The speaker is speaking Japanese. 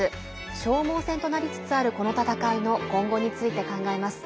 消耗戦となりつつあるこの戦いの今後について考えます。